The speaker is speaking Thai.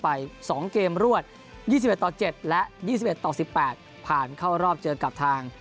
ไป๒เกมรวด๒๑ต่อ๗และ๒๑ต่อ๑๘ผ่านเข้ารอบเจอกับทาง